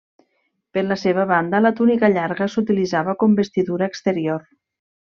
Per la seva banda la túnica llarga s'utilitzava com vestidura exterior.